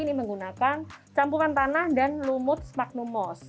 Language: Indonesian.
ini menggunakan campuran tanah dan lumut magnum moss